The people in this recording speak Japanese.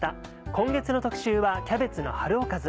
今月の特集は「キャベツの春おかず」。